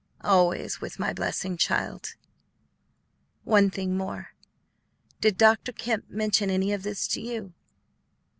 "Always with my blessing, child. One thing more: did Dr. Kemp mention anything of this to you?"